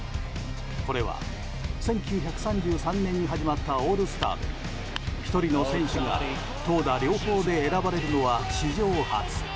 これは１９３３年に始まったオールスターで１人の選手が投打両方で選ばれるのは史上初。